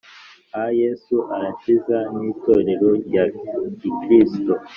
ayesu arakiza ni itorero rya gikiristo